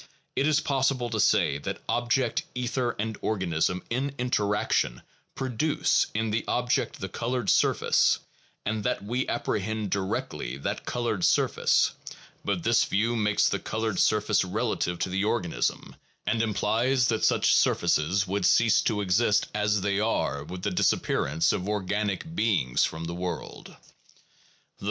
It is possible to say that object, ether, and organism in interaction produce in the object the colored surface, and that we apprehend directly that colored surface; but this view makes the colored surface relative to the organism and implies that such surfaces would cease to exist 1 See A.